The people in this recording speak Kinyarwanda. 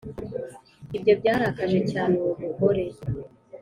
Ibyo byarakaje cyane uwo mugore